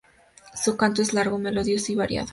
Su canto es largo, melodioso y variado.